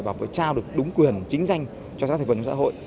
và phải trao được đúng quyền chính danh cho các thành phần xã hội